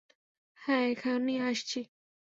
হ্যাঁঁ, এখনই আসছি।